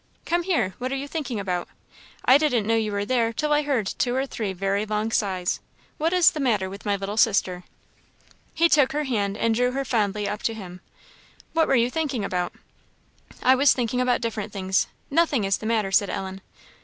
"Come here. What are you thinking about? I didn't know you were there till I heard two or three very long sighs. What is the matter with my little sister?" He took her hand and drew her fondly up to him. "What were you thinking about?" "I was thinking about different things nothing is the matter," said Ellen.